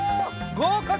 ごうかく！